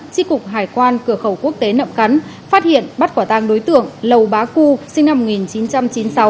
tri cục hải quan cửa khẩu quốc tế nậm cắn phát hiện bắt quả tang đối tượng lầu bá cư sinh năm một nghìn chín trăm chín mươi sáu